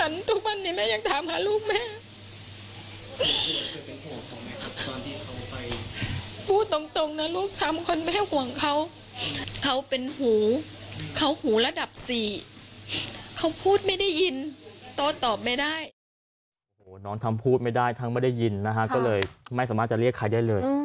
โอ้โหน้องทั้งพูดไม่ได้ทั้งไม่ได้ยินนะฮะก็เลยไม่สามารถจะเรียกใครได้เลย